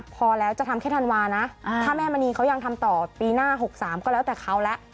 พอแล้วจะทำแค่ธันวานะถ้าแม่มณีเขายังทำต่อปีหน้า๖๓ก็แล้วแต่เขาแล้ว